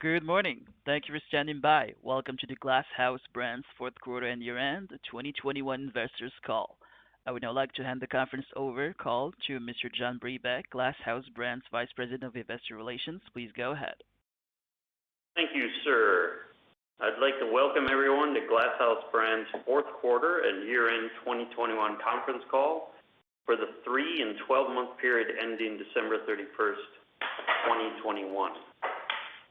Good morning. Thank you for standing by. Welcome to the Glass House Brands fourth quarter and year-end 2021 investors call. I would now like to hand the conference call to Mr. John Brebeck, Glass House Brands Vice President of Investor Relations. Please go ahead. Thank you, sir. I'd like to welcome everyone to Glass House Brands fourth quarter and year-end 2021 conference call for the three and twelve-month period ending December 31, 2021.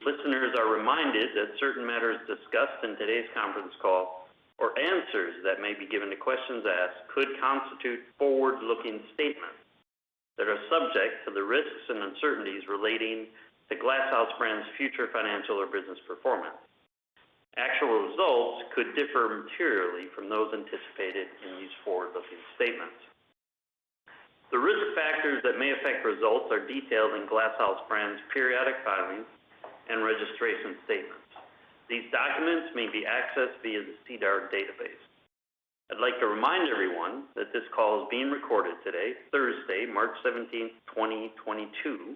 Listeners are reminded that certain matters discussed in today's conference call or answers that may be given to questions asked could constitute forward-looking statements that are subject to the risks and uncertainties relating to Glass House Brands' future financial or business performance. Actual results could differ materially from those anticipated in these forward-looking statements. The risk factors that may affect results are detailed in Glass House Brands periodic filings and registration statements. These documents may be accessed via the SEDAR database. I'd like to remind everyone that this call is being recorded today, Thursday, March 17, 2022,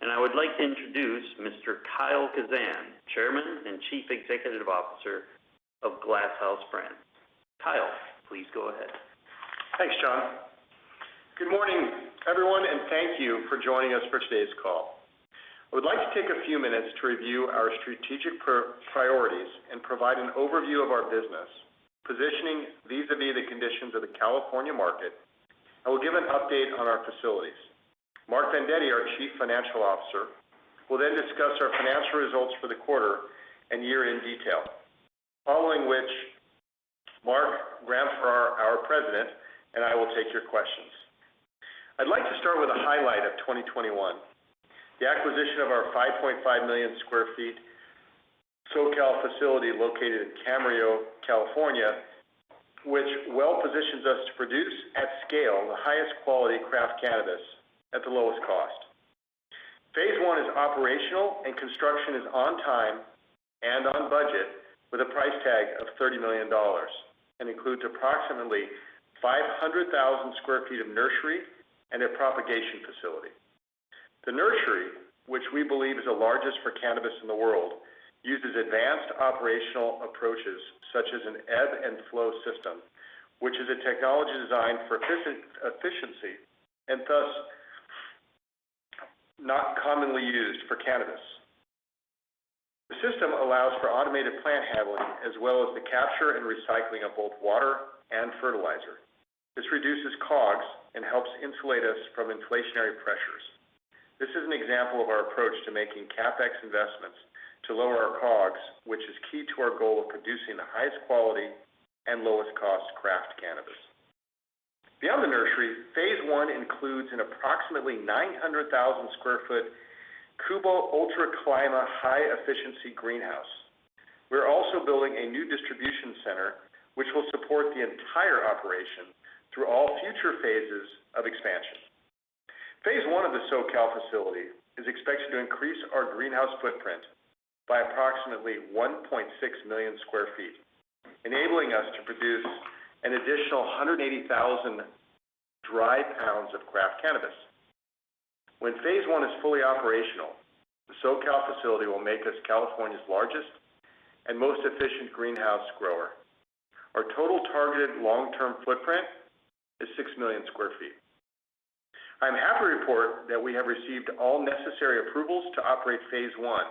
and I would like to introduce Mr. Kyle Kazan, Chairman and Chief Executive Officer of Glass House Brands. Kyle, please go ahead. Thanks, John. Good morning, everyone, and thank you for joining us for today's call. I would like to take a few minutes to review our strategic priorities and provide an overview of our business, positioning vis-à-vis the conditions of the California market, and we'll give an update on our facilities. Mark Vendetti, our Chief Financial Officer, will then discuss our financial results for the quarter and year in detail. Following which, Mark, Graham Farrar, our President, and I will take your questions. I'd like to start with a highlight of 2021, the acquisition of our 5.5 million sq ft SoCal facility located in Camarillo, California, which well positions us to produce at scale the highest quality craft cannabis at the lowest cost. Phase one is operational, and construction is on time and on budget with a price tag of $30 million and includes approximately 500,000 sq ft of nursery and a propagation facility. The nursery, which we believe is the largest for cannabis in the world, uses advanced operational approaches such as an ebb and flow system, which is a technology designed for efficiency and thus not commonly used for cannabis. The system allows for automated plant handling as well as the capture and recycling of both water and fertilizer. This reduces COGS and helps insulate us from inflationary pressures. This is an example of our approach to making CapEx investments to lower our COGS, which is key to our goal of producing the highest quality and lowest cost craft cannabis. Beyond the nursery, phase one includes an approximately 900,000 sq ft KUBO Ultra-Clima high efficiency greenhouse. We're also building a new distribution center, which will support the entire operation through all future phases of expansion. Phase one of the SoCal facility is expected to increase our greenhouse footprint by approximately 1.6 million sq ft, enabling us to produce an additional 180,000 dry lbs of craft cannabis. When phase one is fully operational, the SoCal facility will make us California's largest and most efficient greenhouse grower. Our total targeted long-term footprint is 6 million sq ft. I'm happy to report that we have received all necessary approvals to operate phase one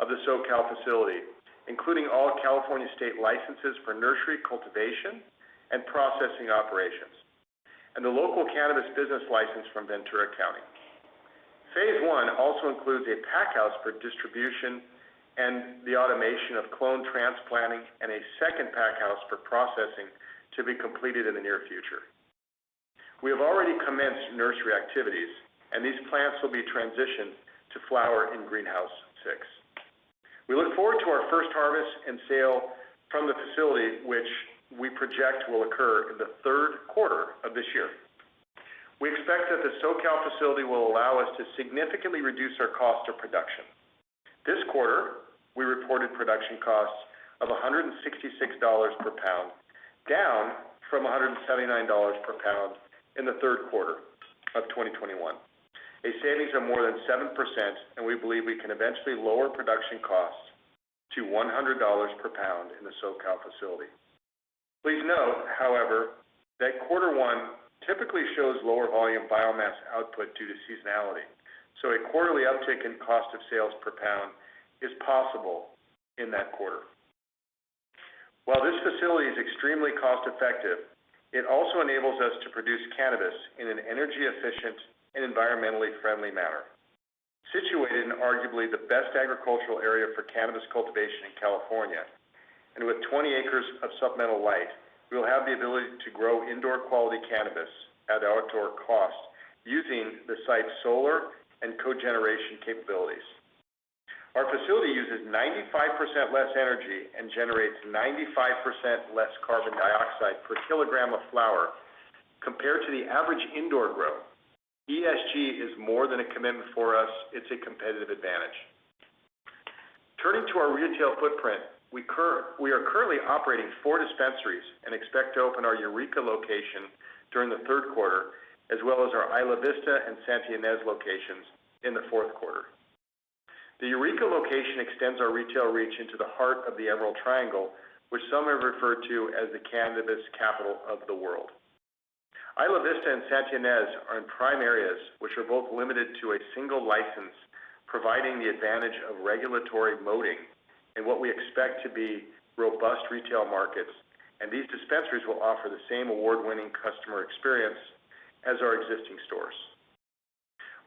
of the SoCal facility, including all California state licenses for nursery cultivation and processing operations, and the local cannabis business license from Ventura County. Phase one also includes a pack house for distribution and the automation of clone transplanting and a second pack house for processing to be completed in the near future. We have already commenced nursery activities, and these plants will be transitioned to flower in Greenhouse six. We look forward to our first harvest and sale from the facility, which we project will occur in the third quarter of this year. We expect that the SoCal facility will allow us to significantly reduce our cost of production. This quarter, we reported production costs of $166 per pound, down from $179 per pound in the third quarter of 2021. A savings of more than 7%, and we believe we can eventually lower production costs to $100 per pound in the SoCal facility. Please note, however, that quarter one typically shows lower volume biomass output due to seasonality, so a quarterly uptick in cost of sales per pound is possible in that quarter. While this facility is extremely cost-effective, it also enables us to produce cannabis in an energy-efficient and environmentally friendly manner. Situated in arguably the best agricultural area for cannabis cultivation in California, and with 20 acres of supplemental light, we will have the ability to grow indoor quality cannabis at outdoor costs using the site's solar and cogeneration capabilities. Our facility uses 95% less energy and generates 95% less carbon dioxide per kilogram of flower compared to the average indoor grow. ESG is more than a commitment for us, it's a competitive advantage. Turning to our retail footprint, we are currently operating four dispensaries and expect to open our Eureka location during the third quarter, as well as our Isla Vista and Santa Ynez locations in the fourth quarter. The Eureka location extends our retail reach into the heart of the Emerald Triangle, which some have referred to as the cannabis capital of the world. Isla Vista and Santa Ynez are in prime areas, which are both limited to a single license, providing the advantage of regulatory moating in what we expect to be robust retail markets, and these dispensaries will offer the same award-winning customer experience as our existing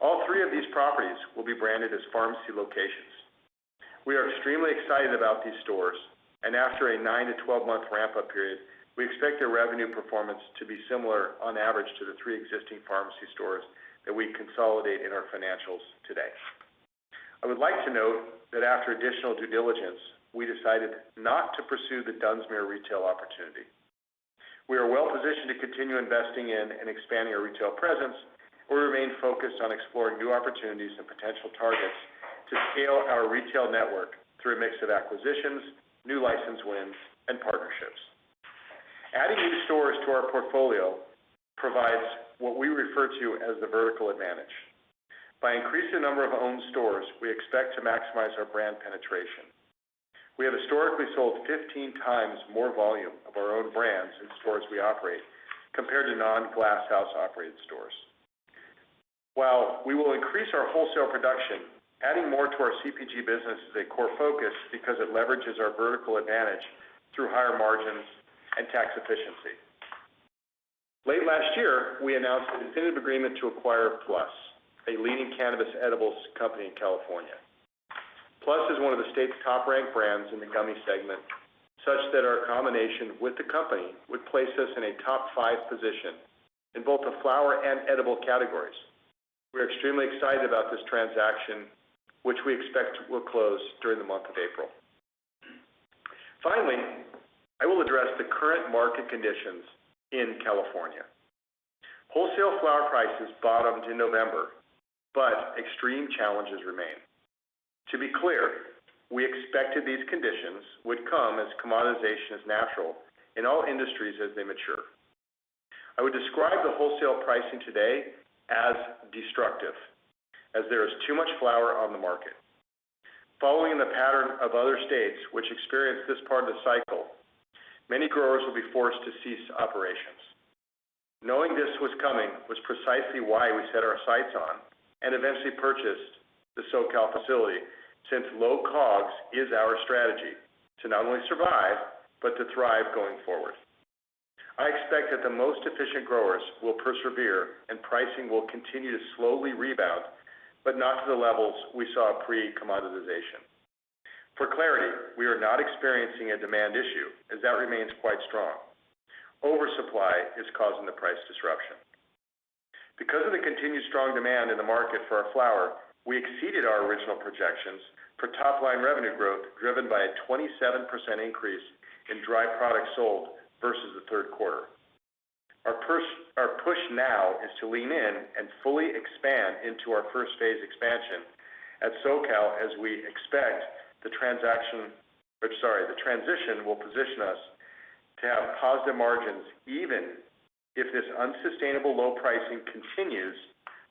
stores. All three of these properties will be branded as Farmacy locations. We are extremely excited about these stores, and after a nine to 12-month ramp-up period, we expect their revenue performance to be similar on average to the three existing Farmacy stores that we consolidate in our financials today. I would like to note that after additional due diligence, we decided not to pursue the Dunsmuir retail opportunity. We are well-positioned to continue investing in and expanding our retail presence. We remain focused on exploring new opportunities and potential targets to scale our retail network through a mix of acquisitions, new license wins, and partnerships. Adding new stores to our portfolio provides what we refer to as the vertical advantage. By increasing the number of owned stores, we expect to maximize our brand penetration. We have historically sold 15 times more volume of our own brands in stores we operate compared to non-Glass House-operated stores. While we will increase our wholesale production, adding more to our CPG business is a core focus because it leverages our vertical advantage through higher margins and tax efficiency. Late last year, we announced a definitive agreement to acquire PLUS, a leading cannabis edibles company in California. PLUS is one of the state's top-ranked brands in the gummy segment, such that our combination with the company would place us in a top five position in both the flower and edible categories. We're extremely excited about this transaction, which we expect will close during the month of April. Finally, I will address the current market conditions in California. Wholesale flower prices bottomed in November, but extreme challenges remain. To be clear, we expected these conditions would come as commoditization is natural in all industries as they mature. I would describe the wholesale pricing today as destructive, as there is too much flower on the market. Following the pattern of other states which experienced this part of the cycle, many growers will be forced to cease operations. Knowing this was coming was precisely why we set our sights on and eventually purchased the SoCal facility, since low COGS is our strategy to not only survive, but to thrive going forward. I expect that the most efficient growers will persevere and pricing will continue to slowly rebound, but not to the levels we saw pre-commoditization. For clarity, we are not experiencing a demand issue, as that remains quite strong. Oversupply is causing the price disruption. Because of the continued strong demand in the market for our flower, we exceeded our original projections for top-line revenue growth driven by a 27% increase in dry product sold versus the third quarter. Our push now is to lean in and fully expand into our first phase expansion at SoCal as we expect the transition will position us to have positive margins even if this unsustainable low pricing continues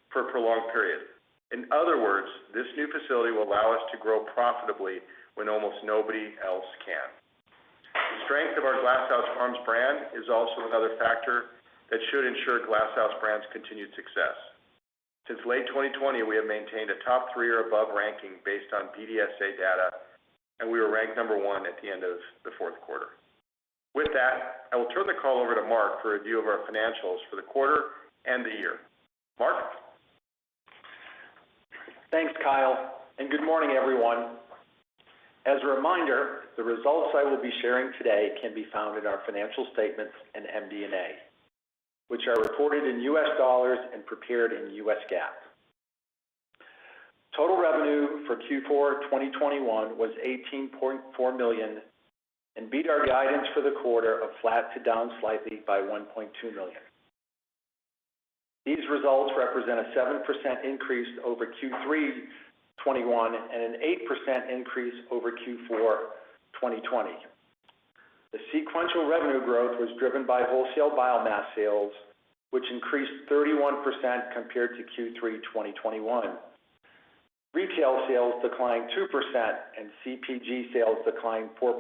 for a prolonged period. In other words, this new facility will allow us to grow profitably when almost nobody else can. The strength of our Glass House Farms brand is also another factor that should ensure Glass House Brands' continued success. Since late 2020, we have maintained a top three or above ranking based on BDSA data, and we were ranked number one at the end of the fourth quarter. With that, I will turn the call over to Mark for a view of our financials for the quarter and the year. Mark? Thanks, Kyle, and good morning, everyone. As a reminder, the results I will be sharing today can be found in our financial statements and MD&A, which are reported in U.S. dollars and prepared in U.S. GAAP. Total revenue for Q4 2021 was $18.4 million and beat our guidance for the quarter of flat to down slightly by $1.2 million. These results represent a 7% increase over Q3 2021 and an 8% increase over Q4 2020. The sequential revenue growth was driven by wholesale biomass sales, which increased 31% compared to Q3 2021. Retail sales declined 2% and CPG sales declined 4%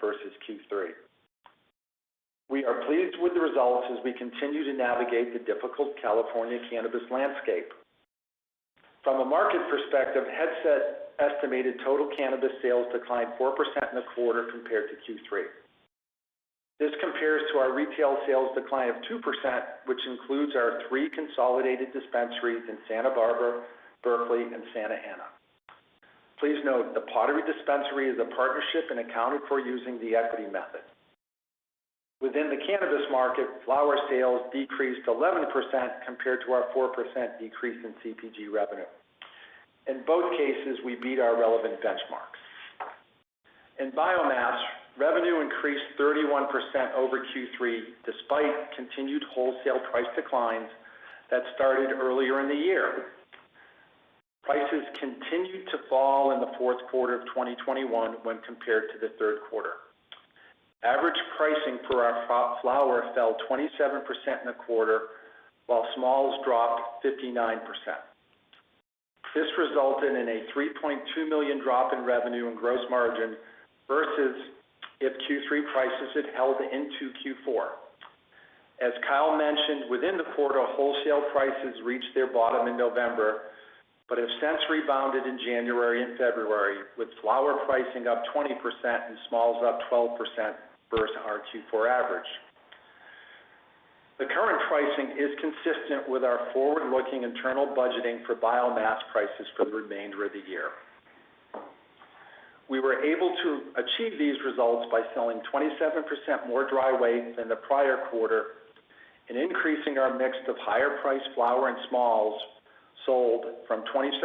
versus Q3. We are pleased with the results as we continue to navigate the difficult California cannabis landscape. From a market perspective, Headset estimated total cannabis sales declined 4% in the quarter compared to Q3. This compares to our retail sales decline of 2%, which includes our three consolidated dispensaries in Santa Barbara, Berkeley, and Santa Ana. Please note, The Pottery dispensary is a partnership and accounted for using the equity method. Within the cannabis market, flower sales decreased 11% compared to our 4% decrease in CPG revenue. In both cases, we beat our relevant benchmarks. In biomass, revenue increased 31% over Q3, despite continued wholesale price declines that started earlier in the year. Prices continued to fall in the fourth quarter of 2021 when compared to the third quarter. Average pricing for our flower fell 27% in the quarter, while smalls dropped 59%. This resulted in a $3.2 million drop in revenue and gross margin versus if Q3 prices had held into Q4. As Kyle mentioned, within the quarter, wholesale prices reached their bottom in November, but have since rebounded in January and February, with flower pricing up 20% and smalls up 12% versus our Q4 average. The current pricing is consistent with our forward-looking internal budgeting for biomass prices for the remainder of the year. We were able to achieve these results by selling 27% more dry weight than the prior quarter and increasing our mix of higher-priced flower and smalls sold from 27%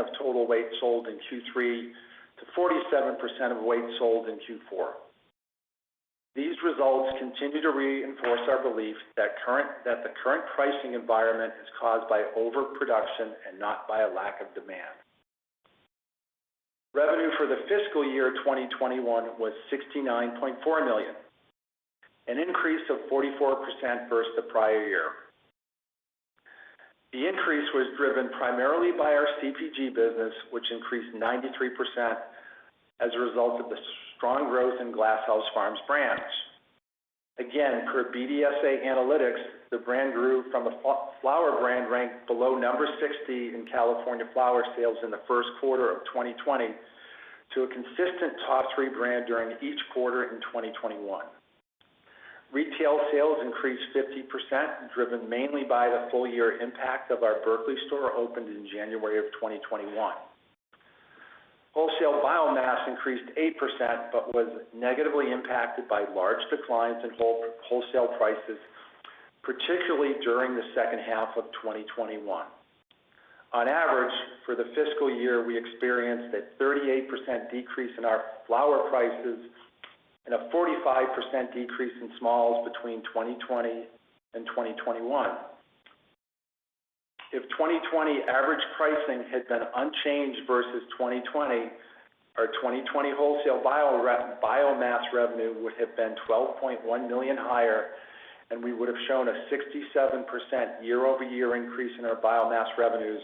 of total weight sold in Q3 to 47% of weight sold in Q4. These results continue to reinforce our belief that the current pricing environment is caused by overproduction and not by a lack of demand. Revenue for the fiscal year 2021 was $69.4 million, an increase of 44% versus the prior year. The increase was driven primarily by our CPG business, which increased 93% as a result of the strong growth in Glass House Farms brands. Again, per BDSA Analytics, the brand grew from a flower brand ranked below number 60 in California flower sales in the first quarter of 2020 to a consistent top three brand during each quarter in 2021. Retail sales increased 50%, driven mainly by the full-year impact of our Berkeley store opened in January of 2021. Wholesale biomass increased 8%, but was negatively impacted by large declines in wholesale prices, particularly during the second half of 2021. On average, for the fiscal year, we experienced a 38% decrease in our flower prices and a 45% decrease in smalls between 2020 and 2021. If 2020 average pricing had been unchanged versus 2020, our 2020 wholesale biomass revenue would have been $12.1 million higher, and we would have shown a 67% year-over-year increase in our biomass revenues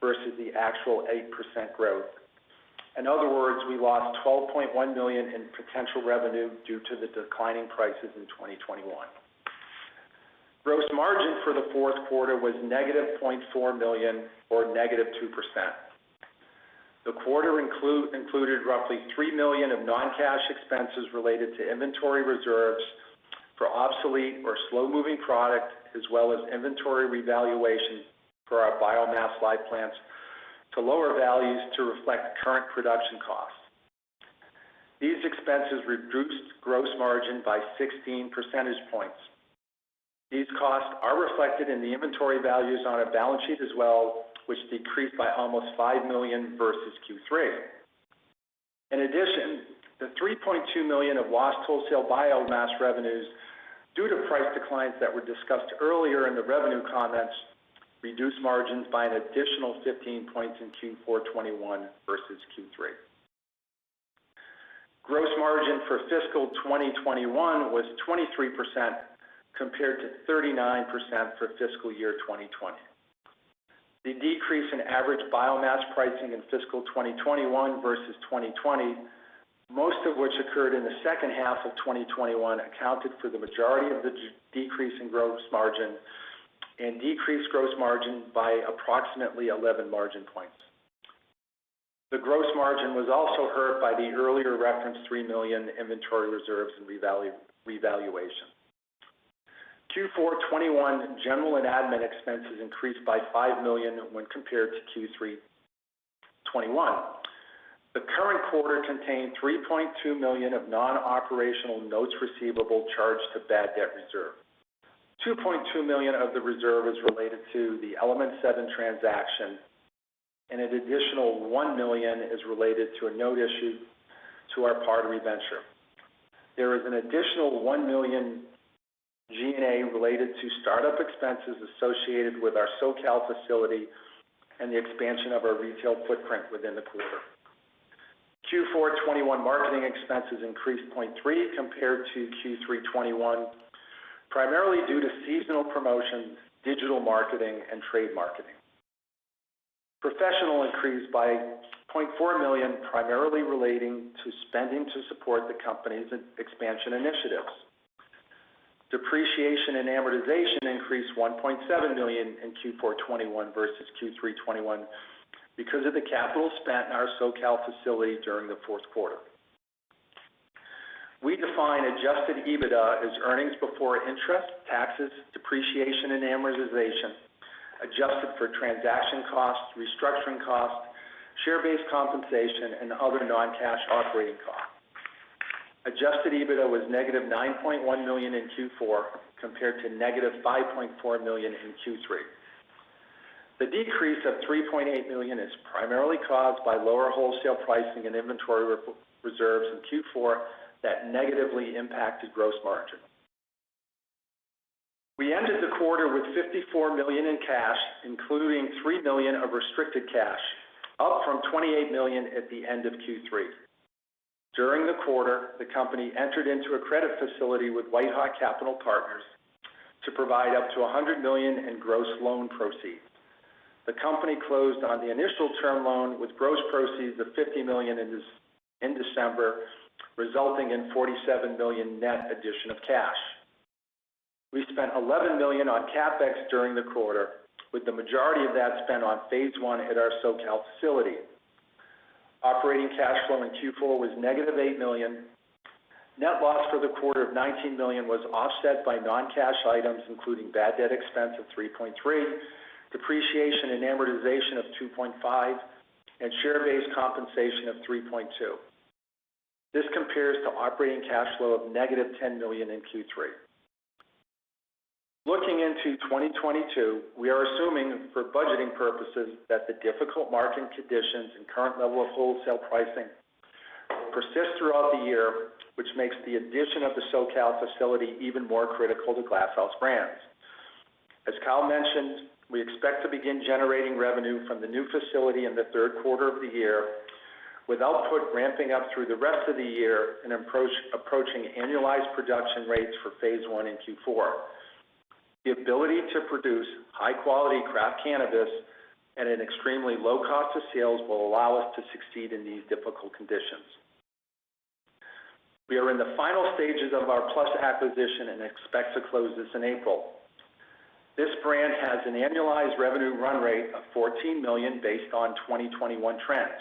versus the actual 8% growth. In other words, we lost $12.1 million in potential revenue due to the declining prices in 2021. Gross margin for the fourth quarter was -$0.4 million or -2%. The quarter included roughly $3 million of non-cash expenses related to inventory reserves for obsolete or slow-moving products, as well as inventory revaluation for our biomass live plants to lower values to reflect current production costs. These expenses reduced gross margin by 16 percentage points. These costs are reflected in the inventory values on our balance sheet as well, which decreased by almost $5 million versus Q3. In addition, the $3.2 million of lost wholesale biomass revenues due to price declines that were discussed earlier in the revenue comments reduced margins by an additional 15 points in Q4 2021 versus Q3 2021. Gross margin for fiscal 2021 was 23% compared to 39% for fiscal year 2020. The decrease in average biomass pricing in fiscal 2021 versus 2020, most of which occurred in the second half of 2021, accounted for the majority of the decrease in gross margin and decreased gross margin by approximately 11 margin points. The gross margin was also hurt by the earlier referenced $3 million inventory reserves and revaluation. Q4 2021 G&A expenses increased by $5 million when compared to Q3 2021. The current quarter contained $3.2 million of non-operational notes receivable charged to bad debt reserve. $2.2 million of the reserve is related to the Element 7 transaction, and an additional $1 million is related to a note issue to our Pottery venture. There is an additional $1 million G&A related to start-up expenses associated with our SoCal facility and the expansion of our retail footprint within the quarter. Q4 2021 marketing expenses increased $0.3 compared to Q3 2021, primarily due to seasonal promotions, digital marketing, and trade marketing. Professional increased by $0.4 million, primarily relating to spending to support the company's expansion initiatives. Depreciation and amortization increased $1.7 million in Q4 2021 versus Q3 2021 because of the capital spent in our SoCal facility during the fourth quarter. We define adjusted EBITDA as earnings before interest, taxes, depreciation, and amortization, adjusted for transaction costs, restructuring costs, share-based compensation, and other non-cash operating costs. Adjusted EBITDA was -$9.1 million in Q4 compared to -$5.4 million in Q3. The decrease of $3.8 million is primarily caused by lower wholesale pricing and inventory re-reserves in Q4 that negatively impacted gross margin. We ended the quarter with $54 million in cash, including $3 million of restricted cash, up from $28 million at the end of Q3. During the quarter, the company entered into a credit facility with WhiteHawk Capital Partners to provide up to $100 million in gross loan proceeds. The company closed on the initial term loan with gross proceeds of $50 million in December, resulting in $47 million net addition of cash. We spent $11 million on CapEx during the quarter, with the majority of that spent on phase one at our SoCal facility. Operating cash flow in Q4 was -$8 million. Net loss for the quarter of $19 million was offset by non-cash items, including bad debt expense of $3.3 million, depreciation and amortization of $2.5 million, and share-based compensation of $3.2 million. This compares to operating cash flow of -$10 million in Q3. Looking into 2022, we are assuming for budgeting purposes that the difficult market conditions and current level of wholesale pricing will persist throughout the year, which makes the addition of the SoCal facility even more critical to Glass House Brands. As Kyle mentioned, we expect to begin generating revenue from the new facility in the third quarter of the year, with output ramping up through the rest of the year and approaching annualized production rates for phase one in Q4. The ability to produce high-quality craft cannabis at an extremely low cost of sales will allow us to succeed in these difficult conditions. We are in the final stages of our PLUS acquisition and expect to close this in April. This brand has an annualized revenue run rate of $14 million based on 2021 trends.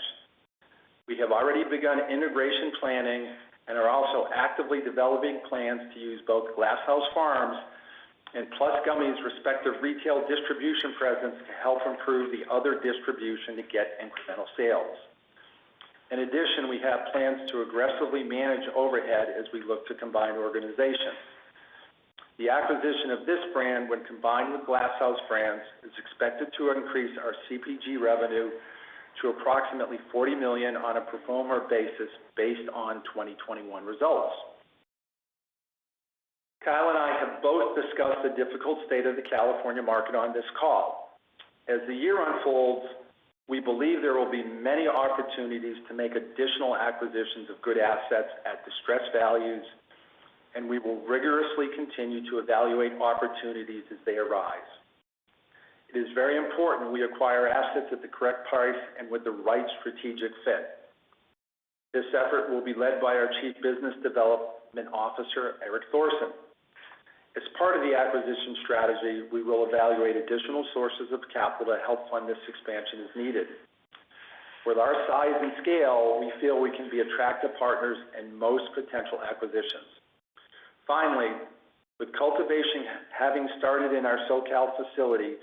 We have already begun integration planning and are also actively developing plans to use both Glass House Farms and PLUS Gummies respective retail distribution presence to help improve the other distribution to get incremental sales. In addition, we have plans to aggressively manage overhead as we look to combine organizations. The acquisition of this brand, when combined with Glass House Brands, is expected to increase our CPG revenue to approximately $40 million on a pro forma basis based on 2021 results. Kyle and I have both discussed the difficult state of the California market on this call. As the year unfolds, we believe there will be many opportunities to make additional acquisitions of good assets at distressed values, and we will rigorously continue to evaluate opportunities as they arise. It is very important we acquire assets at the correct price and with the right strategic fit. This effort will be led by our Chief Business Development Officer, Erik Thorsen. As part of the acquisition strategy, we will evaluate additional sources of capital to help fund this expansion as needed. With our size and scale, we feel we can be attractive partners in most potential acquisitions. Finally, with cultivation having started in our SoCal facility,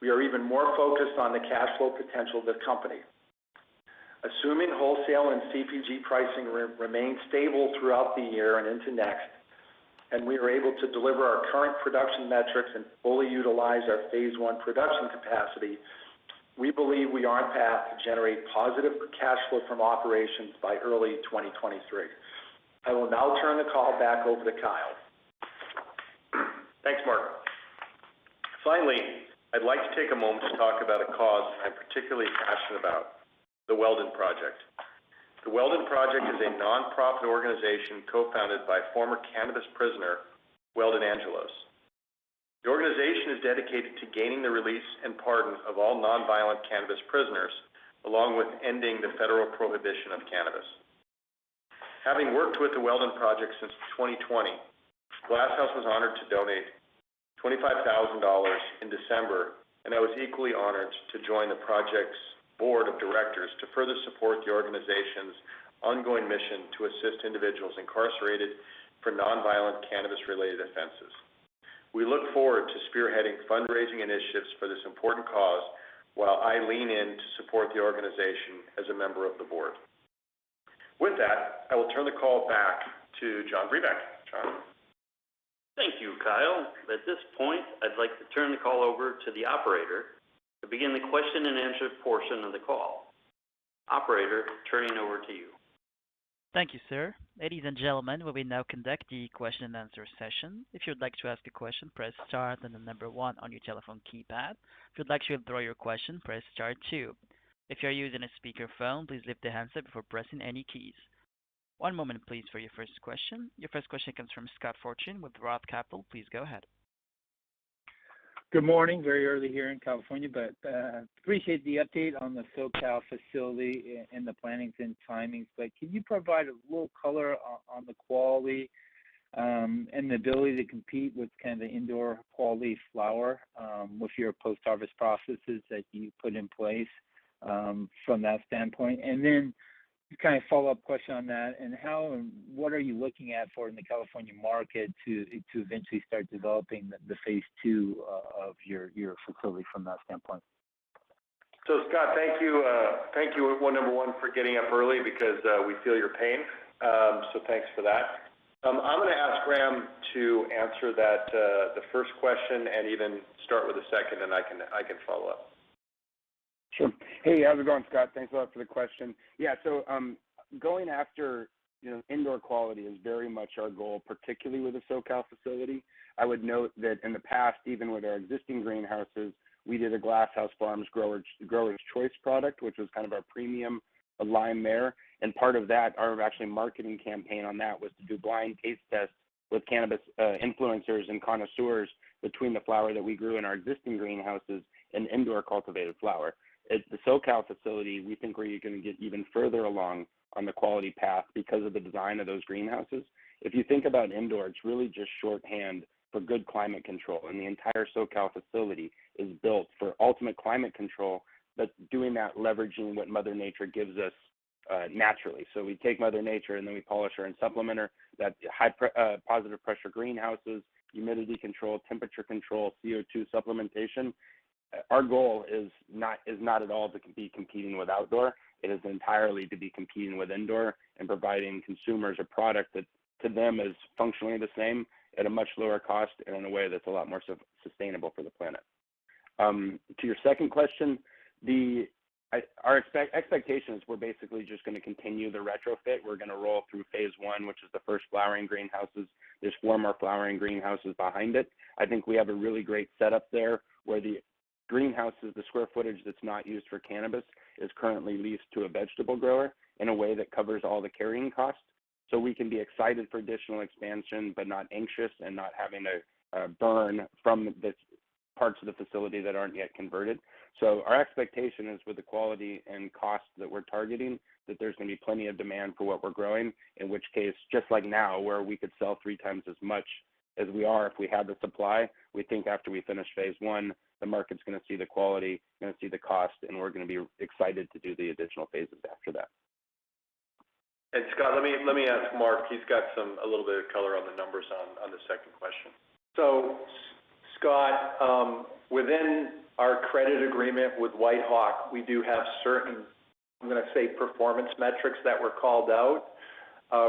we are even more focused on the cash flow potential of the Company. Assuming wholesale and CPG pricing remain stable throughout the year and into next, and we are able to deliver our current production metrics and fully utilize our phase one production capacity, we believe we are on path to generate positive cash flow from operations by early 2023. I will now turn the call back over to Kyle. Thanks, Mark. Finally, I'd like to take a moment to talk about a cause I'm particularly passionate about, The Weldon Project. The Weldon Project is a nonprofit organization co-founded by former cannabis prisoner, Weldon Angelos. The organization is dedicated to gaining the release and pardon of all non-violent cannabis prisoners, along with ending the federal prohibition of cannabis. Having worked with The Weldon Project since 2020, Glass House was honored to donate $25,000 in December, and I was equally honored to join the project's Board of Directors to further support the organization's ongoing mission to assist individuals incarcerated for non-violent cannabis-related offenses. We look forward to spearheading fundraising initiatives for this important cause while I lean in to support the organization as a member of the board. With that, I will turn the call back to John Brebeck. John. Thank you, Kyle. At this point, I'd like to turn the call over to the operator to begin the question-and-answer portion of the call. Operator, turning it over to you. Thank you, sir. Ladies and gentlemen, we will now conduct the question-and-answer session. If you would like to ask a question, press star, then the number one on your telephone keypad. If you'd like to withdraw your question, press star two. If you are using a speakerphone, please lift the handset before pressing any keys. One moment, please, for your first question. Your first question comes from Scott Fortune with ROTH Capital. Please go ahead. Good morning. Very early here in California, but appreciate the update on the SoCal facility and the plannings and timings. Can you provide a little color on the quality, and the ability to compete with kind of the indoor quality flower, with your post-harvest processes that you put in place, from that standpoint? Then kind of a follow-up question on that, and how and what are you looking at for in the California market to eventually start developing the phase two of your facility from that standpoint? Scott, thank you. Thank you, number one, for getting up early because we feel your pain. Thanks for that. I'm gonna ask Graham to answer that, the first question and even start with the second, and I can follow up. Sure. Hey, how's it going, Scott? Thanks a lot for the question. Yeah. Going after, you know, indoor quality is very much our goal, particularly with the SoCal facility. I would note that in the past, even with our existing greenhouses, we did a Glass House Farms Grower's Choice product, which was kind of our premium line there. Part of that, our actual marketing campaign on that, was to do blind taste tests with cannabis influencers and connoisseurs between the flower that we grew in our existing greenhouses and indoor cultivated flower. At the SoCal facility, we think we're gonna get even further along on the quality path because of the design of those greenhouses. If you think about indoor, it's really just shorthand for good climate control, and the entire SoCal facility is built for ultimate climate control, but doing that leveraging what Mother Nature gives us naturally. We take Mother Nature, and then we polish her and supplement her. That high positive pressure greenhouses, humidity control, temperature control, CO2 supplementation. Our goal is not at all to be competing with outdoor. It is entirely to be competing with indoor and providing consumers a product that to them is functionally the same at a much lower cost and in a way that's a lot more sustainable for the planet. To your second question, our expectations, we're basically just gonna continue the retrofit. We're gonna roll through phase one, which is the first flowering greenhouses. There's four more flowering greenhouses behind it. I think we have a really great setup there, where the greenhouses, the square footage that's not used for cannabis, is currently leased to a vegetable grower in a way that covers all the carrying costs. So we can be excited for additional expansion, but not anxious and not having to burn cash from these parts of the facility that aren't yet converted. So our expectation is with the quality and cost that we're targeting, that there's gonna be plenty of demand for what we're growing, in which case, just like now, where we could sell three times as much as we are if we had the supply, we think after we finish phase one, the market's gonna see the quality, gonna see the cost, and we're gonna be excited to do the additional phases after that. Scott, let me ask Mark. He's got some, a little bit of color on the numbers on the second question. So, Scott, within our credit agreement with WhiteHawk, we do have certain, I'm gonna say, performance metrics that were called out,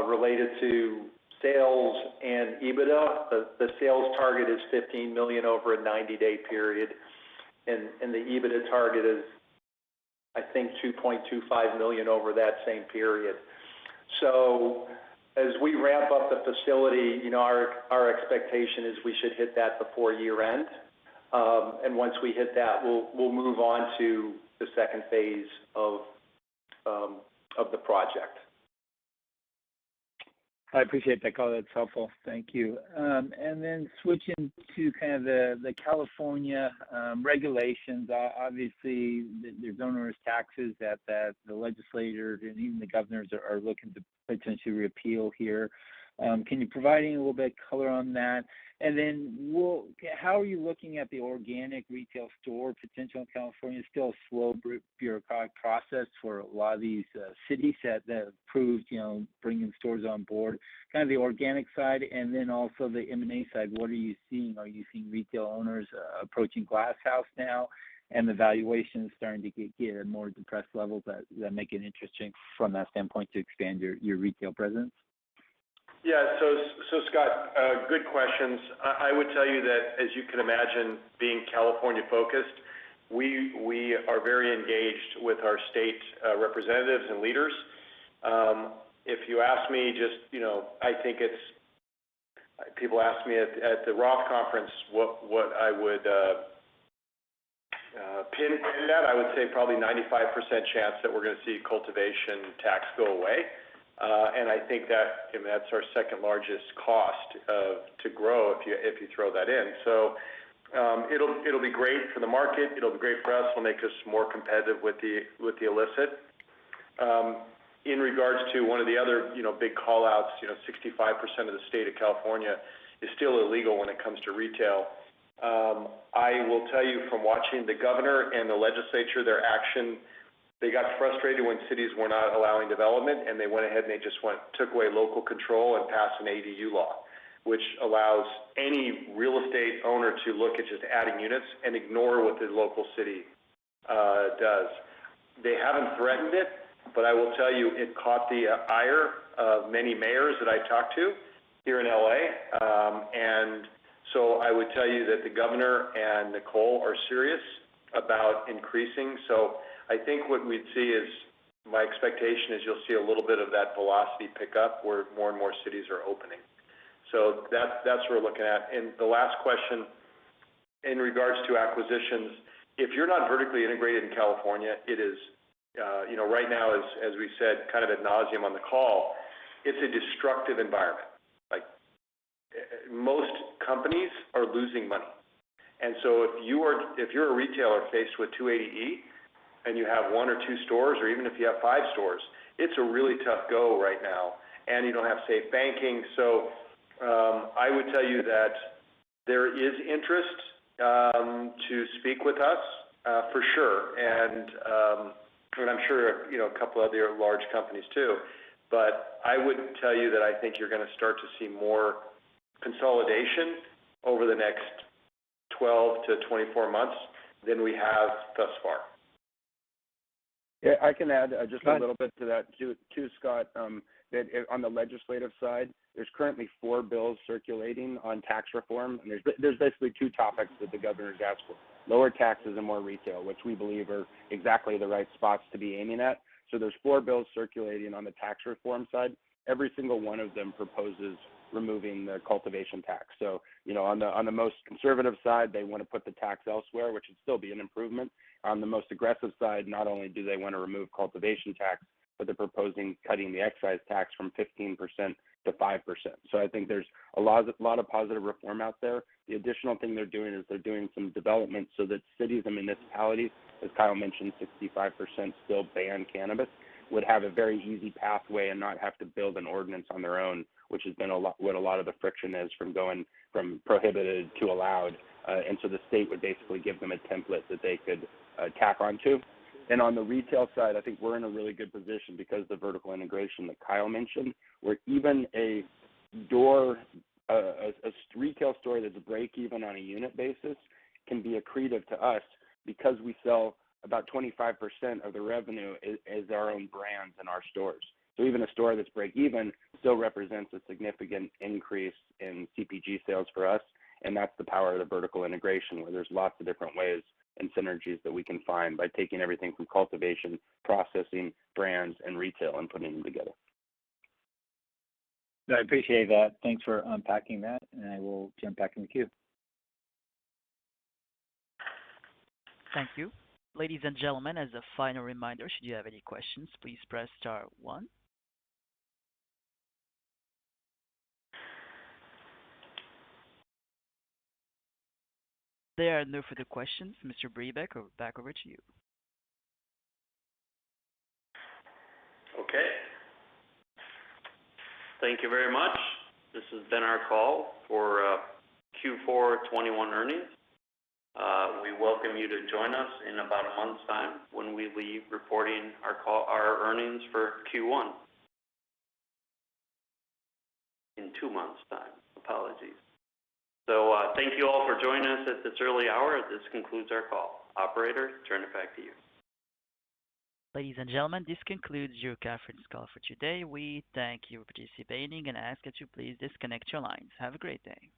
related to sales and EBITDA. The sales target is $15 million over a 90-day period, and the EBITDA target is, I think, $2.25 million over that same period. As we ramp up the facility, you know, our expectation is we should hit that before year-end. Once we hit that, we'll move on to the second phase of the project. I appreciate that color. That's helpful. Thank you. And then switching to kind of the California regulations, obviously, there's onerous taxes that the legislators and even the governors are looking to potentially repeal here. Can you provide any little bit of color on that? How are you looking at the organic retail store potential in California? Still a slow bureaucratic process for a lot of these cities that have approved, you know, bringing stores on board. Kind of the organic side and then also the M&A side, what are you seeing? Are you seeing retail owners approaching Glass House Brands now? And the valuation is starting to get at more depressed levels that make it interesting from that standpoint to expand your retail presence. Yeah. So, Scott, good questions. I would tell you that, as you can imagine, being California-focused, we are very engaged with our state representatives and leaders. If you ask me just, you know, I think it's. People ask me at the ROTH Conference, what I would pin to that. I would say probably 95% chance that we're gonna see cultivation tax go away. I think that, I mean, that's our second largest cost to grow if you throw that in. It'll be great for the market. It'll be great for us. It'll make us more competitive with the illicit. In regards to one of the other, you know, big call-outs, you know, 65% of the state of California is still illegal when it comes to retail. I will tell you from watching the governor and the legislature, their action, they got frustrated when cities were not allowing development, and they went ahead and took away local control and passed an ADU law, which allows any real estate owner to look at just adding units and ignore what the local city does. They haven't threatened it, but I will tell you it caught the ire of many mayors that I talk to here in L.A. I would tell you that the governor and Nicole are serious about increasing. I think what we'd see is, my expectation is you'll see a little bit of that velocity pick up where more and more cities are opening. So that's what we're looking at. The last question in regards to acquisitions, if you're not vertically integrated in California, it is, you know, right now, as we said, kind of ad nauseam on the call, it's a destructive environment. Like, most companies are losing money. If you're a retailer faced with 280E, and you have one or two stores, or even if you have five stores, it's a really tough go right now, and you don't have SAFE banking. I would tell you that there is interest to speak with us, for sure. I'm sure, you know, a couple other large companies too. I wouldn't tell you that I think you're gonna start to see more consolidation over the next 12-24 months than we have thus far. Yeah, I can add just a little bit to that too, Scott, that on the legislative side, there's currently four bills circulating on tax reform, and there's basically two topics that the governor's asked for, lower taxes and more retail, which we believe are exactly the right spots to be aiming at. There's four bills circulating on the tax reform side. Every single one of them proposes removing the cultivation tax. You know, on the most conservative side, they want to put the tax elsewhere, which would still be an improvement. On the most aggressive side, not only do they want to remove cultivation tax, but they're proposing cutting the excise tax from 15% to 5%. I think there's a lot of positive reform out there. The additional thing they're doing is they're doing some development so that cities and municipalities, as Kyle mentioned, 65% still ban cannabis, would have a very easy pathway and not have to build an ordinance on their own, which has been a lot of the friction from going from prohibited to allowed. The state would basically give them a template that they could tack on to. On the retail side, I think we're in a really good position because the vertical integration that Kyle mentioned, where even a retail store that's break even on a unit basis can be accretive to us because we sell about 25% of the revenue as our own brands in our stores. Even a store that's breakeven still represents a significant increase in CPG sales for us, and that's the power of the vertical integration, where there's lots of different ways and synergies that we can find by taking everything from cultivation, processing, brands, and retail, and putting them together. I appreciate that. Thanks for unpacking that, and I will jump back in the queue. Thank you. Ladies and gentlemen, as a final reminder, should you have any questions, please press star one. There are no further questions. Mr. Brebeck, back over to you. Okay. Thank you very much. This has been our call for Q4 2021 earnings. We welcome you to join us in about a month's time when we'll be reporting our earnings for Q1. In two months' time. Apologies. Thank you all for joining us at this early hour. This concludes our call. Operator, turn it back to you. Ladies and gentlemen, this concludes your conference call for today. We thank you for participating and ask that you please disconnect your lines. Have a great day.